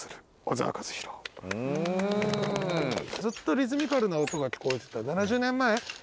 ずっとリズミカルな音が聞こえてて７０年前？